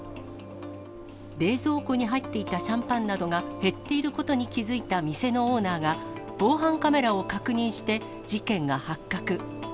冷蔵庫に入っていたシャンパンなどが減っていることに気付いた店のオーナーが、防犯カメラを確認して事件が発覚。